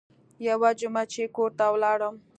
يوه جمعه چې کور ته ولاړم.